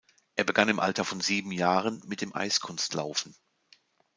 Er begann im Alter von sieben Jahren mit dem Eiskunstlaufen.